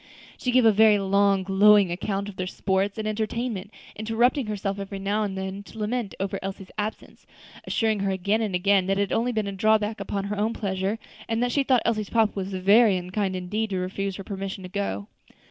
She gave a very glowing account of their sports and entertainment, interrupting herself every now and then to lament over Elsie's absence, assuring her again and again that it had been the only drawback upon her own pleasure, and that she thought that Elsie's papa was very unkind indeed to refuse her permission to go.